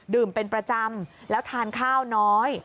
เป็นประจำแล้วทานข้าวน้อย